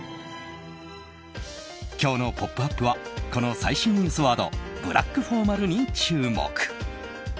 今日の「ポップＵＰ！」はこの最新ニュースワードブラックフォーマルに注目。